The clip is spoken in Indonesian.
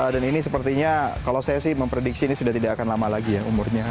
dan ini sepertinya kalau saya sih memprediksi ini sudah tidak akan lama lagi ya umurnya